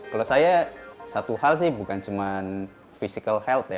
kalau saya satu hal sih bukan cuma physical health ya